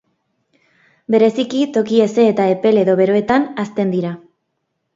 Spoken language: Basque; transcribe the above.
Bereziki toki heze eta epel edo beroetan hazten dira.